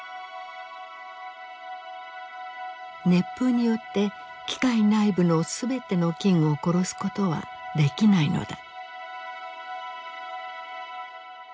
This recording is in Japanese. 熱風によって機械内部の全ての菌を殺すことはできないのだ。